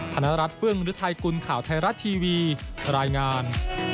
พนันรัฐเฟื้องหรือไทยกุลข่าวไทยรัฐทีวีรายงาน